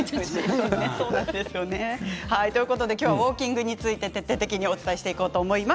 今日はウォーキングについて徹底的にお伝えしていきます。